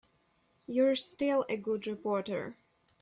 You're still a good reporter.